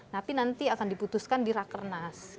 tapi nanti akan diputuskan di rakernas